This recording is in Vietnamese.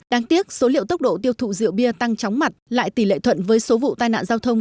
đáng tiếc số liệu tốc độ tiêu thụ rượu bia tăng chóng mặt lại tỷ lệ thuận với số vụ tai nạn giao thông